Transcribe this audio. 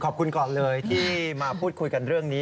ขอบคุณก่อนเลยที่มาพูดคุยกันเรื่องนี้